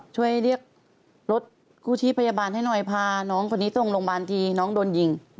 ช่วยเรียกรถกู้ชีพพยาบาลให้หน่อยพาน้องคนนี้ส่งโรงพยาบาลทีน้องโดนยิง